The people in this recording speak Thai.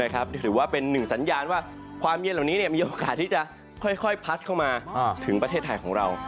ถือว่าเป็นหนึ่งสัญญาณว่าความเย็นเหล่านี้มีโอกาสที่จะค่อยพัดเข้ามาถึงประเทศไทยของเรา